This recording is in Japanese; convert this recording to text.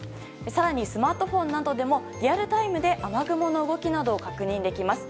更に、スマートフォンなどでもリアルタイムで雨雲の動きなどを確認できます。